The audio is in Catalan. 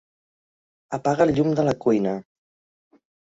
Apaga el llum de la cuina.